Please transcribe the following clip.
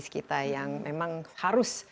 kita yang memang harus